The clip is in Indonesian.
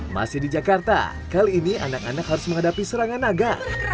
masih di jakarta kali ini anak anak harus menghadapi serangan naga